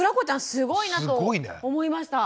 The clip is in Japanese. すごいなと思いました。